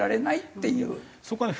そこはね